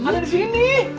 ada di sini